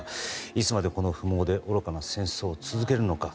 いつまで、この不毛で愚かな戦争を続けるのか。